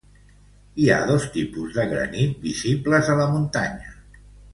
Hi ha dos tipus de granit visibles a la muntanya.